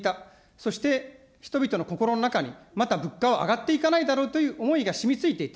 そして、人々の心の中に、また物価は上がっていかないだろうという思いがしみついていた。